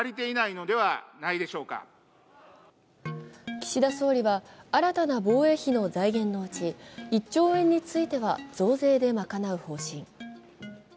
岸田総理は新たな防衛費の財源のうち１兆円については増税で賄う方針。